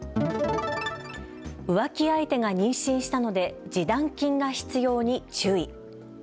浮気相手が妊娠したので示談金が必要に注意。